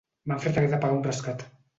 Manfred hagué de pagar un rescat.